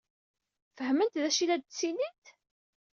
Fehment d acu ay la d-ttinint?